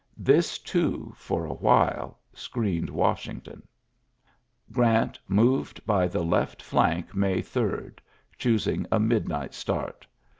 This, too, for a while screened Washington. Grant moved by the left flank May 8, choosing a midnight start.